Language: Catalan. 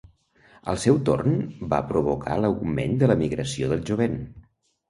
Al seu torn va provocar l'augment de l'emigració del jovent.